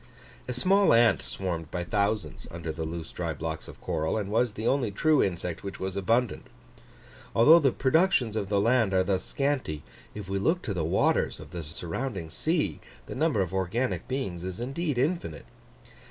A small ant swarmed by thousands under the loose dry blocks of coral, and was the only true insect which was abundant. Although the productions of the land are thus scanty, if we look to the waters of the surrounding sea, the number of organic beings is indeed infinite.